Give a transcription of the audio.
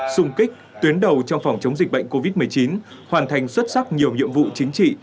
xung kích tuyến đầu trong phòng chống dịch bệnh covid một mươi chín hoàn thành xuất sắc nhiều nhiệm vụ chính trị